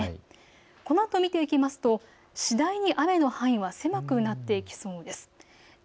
このあと見ていきますと次第に雨の範囲が狭くなっていきそうです。